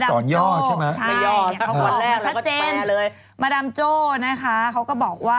ตอนนั้นจะเป็นอัศวรณยอดใช่ไหม